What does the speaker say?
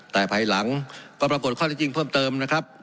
แต่ภายหลังก็ปรากฏข้อได้จริงเพิ่มเติมนะครับ